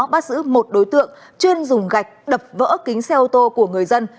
bắt giữ một đối tượng chuyên dùng gạch đập vỡ kính xe ô tô của người dân